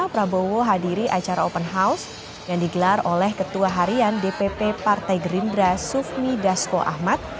prabowo hadiri acara open house yang digelar oleh ketua harian dpp partai gerindra sufmi dasko ahmad